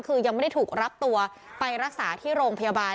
คือยังไม่ได้ถูกรับตัวไปรักษาที่โรงพยาบาล